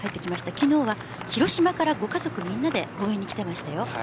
昨日は広島からご家族みんなで応援に来てましたよ。